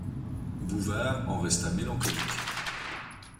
Bouvard en resta mélancolique.